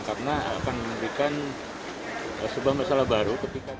karena akan memberikan sebuah masalah baru